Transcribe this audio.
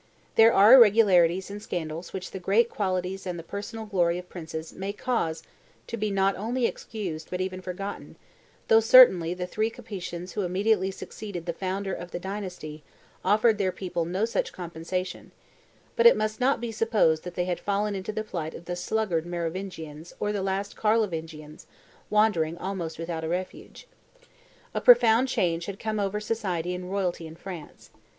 There are irregularities and scandals which the great qualities and the personal glory of princes may cause to be not only excused but even forgotten, though certainly the three Capetians who immediately succeeded the founder of the dynasty offered their people no such compensation; but it must not be supposed that they had fallen into the plight of the sluggard Merovingians or the last Carlovingians, wandering almost without a refuge. A profound change had come over society and royalty in France.